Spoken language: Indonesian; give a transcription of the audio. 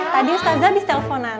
tadi ustazah abis telponan